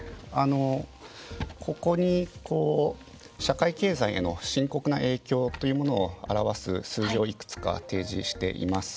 ここに、社会経済への深刻な影響というのを表す数字をいくつか提示しています。